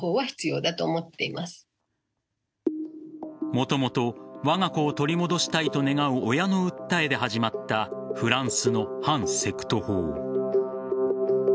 もともとわが子を取り戻したいと願う親の訴えで始まったフランスの反セクト法。